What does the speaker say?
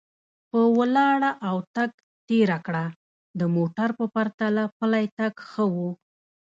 په ولاړه او تګ تېره کړه، د موټر په پرتله پلی تګ ښه و.